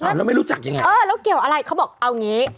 แล้วไม่รู้จักยังไงเออแล้วเกี่ยวอะไรเขาบอกเอางี้